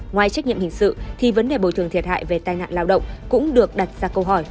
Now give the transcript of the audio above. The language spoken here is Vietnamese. ngoài trách nhiệm hình sự thì vấn đề bồi thường thiệt hại về tai nạn lao động cũng được đặt ra câu hỏi